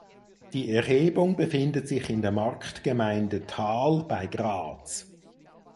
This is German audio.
Die Erhebung befindet sich in der Marktgemeinde Thal bei Graz.